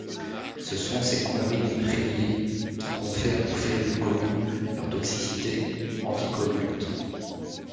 Ce sont ces coumarines prénylées qui confèrent aux férules communes leur toxicité anticoagulante.